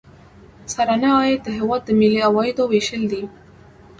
سرانه عاید د هیواد د ملي عوایدو ویشل دي.